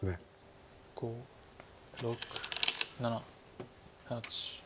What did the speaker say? ５６７８。